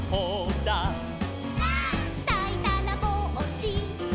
「」「だいだらぼっち」「」